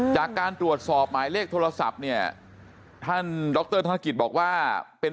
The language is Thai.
จากการตรวจสอบหมายเลขโทรศัพท์เนี่ยท่านดรธนกิจบอกว่าเป็น